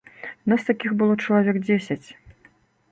Нас такіх было чалавек дзесяць.